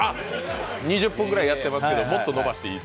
２０分くらいやってますけど、延ばしていいと。